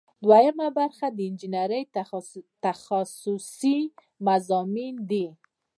دوهم برخه د انجنیری تخصصي مضامین دي.